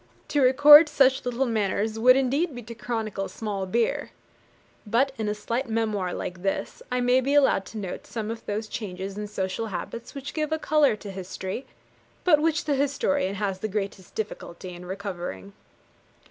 To record such little matters would indeed be 'to chronicle small beer.' But, in a slight memoir like this, I may be allowed to note some of those changes in social habits which give a colour to history, but which the historian has the greatest difficulty in recovering.